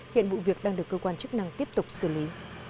hiện vụ việc đang được cơ quan chức năng tiếp tục xử lý